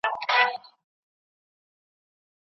دولت به خپلو اقتصادي تګلارو ته بیاکتنه وکړي.